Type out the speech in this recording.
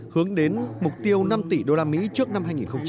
hướng đến mục tiêu năm tỷ usd trước năm hai nghìn ba mươi